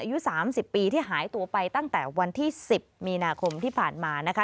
อายุ๓๐ปีที่หายตัวไปตั้งแต่วันที่๑๐มีนาคมที่ผ่านมานะคะ